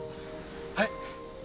はい。